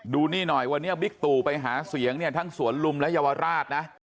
ดูนี่หน่อยวันนี้บิ๊กตู่ไปหาเสียงเนี่ยทั้งสวนลุมและเยาวราชนะ